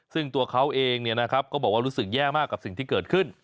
ซึ่งตัวเขาเองก็บอกว่ารู้สึกแย่มากกับสิ่งที่เกิดขึ้น